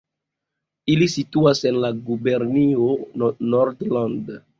Ili situas en la gubernio Nordland.